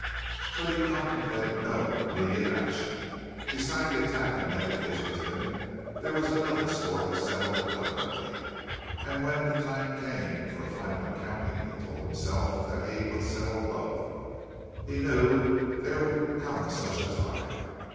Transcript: But he contemplated no immediate action. Besides the attack on Nellie Hazelton there was another score to settle with Dunlavey, and when the time came for a final accounting he told himself that he would settle both. He knew there would come such a time.